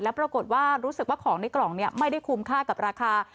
ปรากฏว่ารู้สึกว่าของในกล่องนี้ไม่ได้คุ้มค่ากับราคา